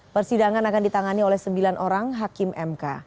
persidangan akan ditangani oleh sembilan orang hakim mk